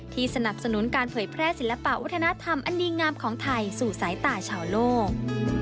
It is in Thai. สนับสนุนการเผยแพร่ศิลปะวัฒนธรรมอันดีงามของไทยสู่สายตาชาวโลก